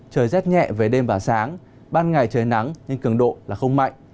trời rét nhẹ về đêm và sáng ban ngày trời nắng nhưng cường độ là không mạnh